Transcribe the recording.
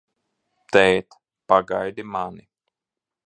Tēt, pagaidi mani!